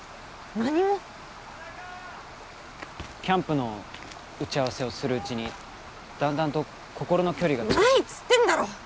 何もキャンプの打ち合わせをするうちにだんだんと心の距離がないっつってんだろ！